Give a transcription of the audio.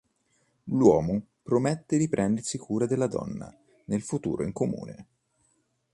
L'uomo promette di prendersi cura della donna nel futuro in comune.